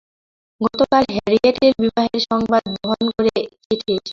গতকাল হ্যারিয়েটের বিবাহের সংবাদ বহন করে চিঠি এসেছে।